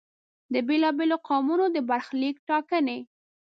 د بېلا بېلو قومونو د برخلیک ټاکنې.